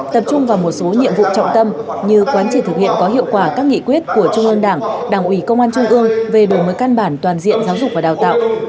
tập trung vào một số nhiệm vụ trọng tâm như quán triệt thực hiện có hiệu quả các nghị quyết của trung ương đảng đảng ủy công an trung ương về đổi mới căn bản toàn diện giáo dục và đào tạo